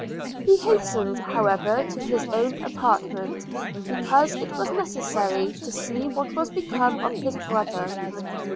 He hastened however to his own apartment, because it was necessary to see what was become of his brother.